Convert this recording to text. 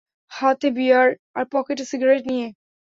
হাতে বিয়ার আর পকেটে সিগারেট নিয়ে।